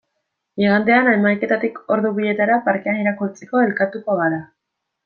Igandean, hamaiketatik ordu bietara, parkean irakurtzeko elkartuko gara.